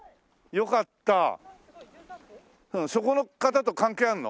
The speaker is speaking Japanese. そこの方と関係あるの？